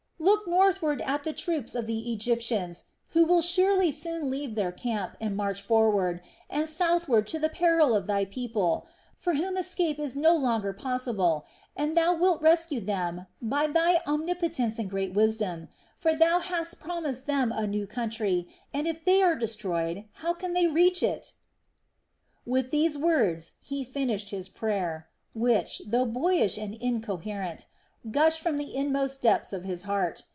Look northward at the troops of the Egyptians, who will surely soon leave their camp and march forward, and southward to the peril of Thy people, for whom escape is no longer possible, and Thou wilt rescue them by Thy omnipotence and great wisdom; for Thou hast promised them a new country, and if they are destroyed, how can they reach it?" With these words he finished his prayer, which, though boyish and incoherent, gushed from the inmost depths of his heart.